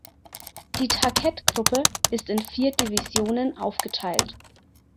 Die Tarkett Gruppe ist in vier Divisionen aufgeteilt.